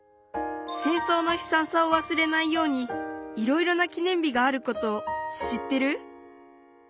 戦争のひさんさをわすれないようにいろいろな記念日があることを知ってる？